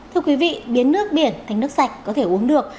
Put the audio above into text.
thưa quý vị biến nước biển thành nước sạch có thể uống được